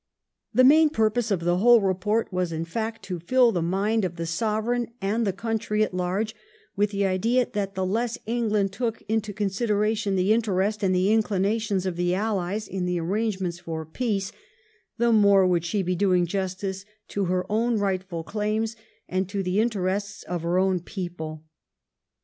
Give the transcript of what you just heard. The main purpose of the whole report was, in fact, to fill the mind of the Sovereign and the country at large with the idea that the less England took into consideration the interest and the inclinations of the Allies in the arrangements for peace, the more would she be doing justice to her own rightful claims and to the interests of her own people.